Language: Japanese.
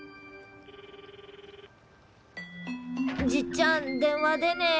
☎じっちゃん電話出ねえ。